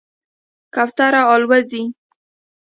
کوتره الوځي.